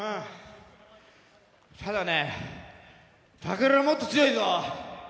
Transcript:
ただね、武尊はもっと強いぞ！